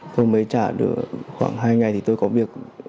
tôi mới trả được khoảng hai ngày thì tôi có việc